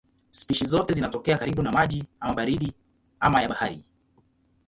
Spishi zote zinatokea karibu na maji ama baridi ama ya bahari.